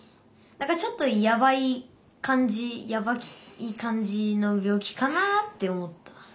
何かちょっとやばい感じやばい感じの病気かなって思った。